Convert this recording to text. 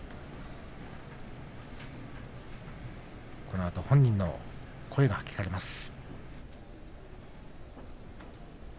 このあと本人の声が聞かれます。